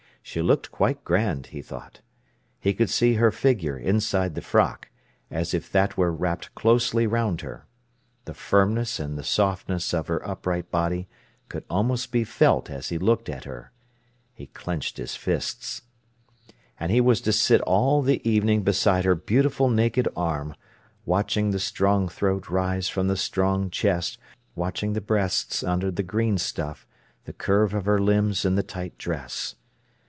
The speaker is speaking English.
She looked quite grand, he thought. He could see her figure inside the frock, as if that were wrapped closely round her. The firmness and the softness of her upright body could almost be felt as he looked at her. He clenched his fists. And he was to sit all the evening beside her beautiful naked arm, watching the strong throat rise from the strong chest, watching the breasts under the green stuff, the curve of her limbs in the tight dress.